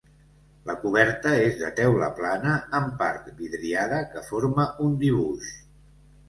La coberta és de teula plana en part vidriada que forma un dibuix.